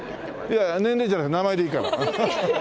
いや年齢じゃなくて名前でいいから。